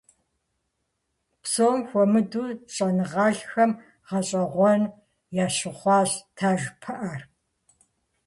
Псом хуэмыдэу щӀэныгъэлӀхэм гъэщӏэгъуэн ящыхъуащ таж пыӀэр.